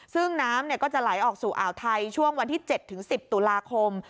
ซึ่งน้ำก็จะไหลออกสู่อ่าวไทยช่วงวันที่๗๑๐ตุลาคม